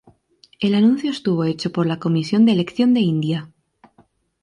El anuncio estuvo hecho por la Comisión de Elección de India.